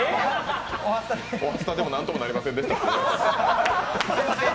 「おはスタ」でもなんともなりませんでしたって。